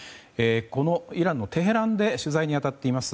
このイランのテヘランで取材に当たっています